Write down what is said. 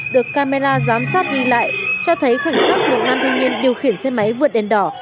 được camera giám sát ghi lại cho thấy khẩn cấp một nam thanh niên điều khiển xe máy vượt đèn đỏ